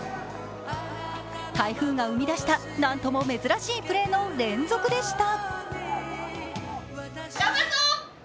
台風が生み出した、何とも珍しいプレーの連続でした。